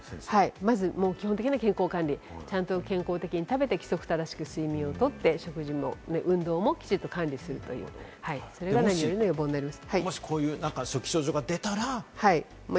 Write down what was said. まず基本的な健康管理、ちゃんと健康的に食べて規則正しく睡眠をとって食事も運動もきちそれが何よりの予防です。